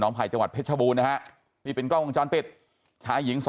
หนอมไทยจังหวัดเพชรบูรณ์นะครับมีเป็นกล้องวงจรปิดชายหญิง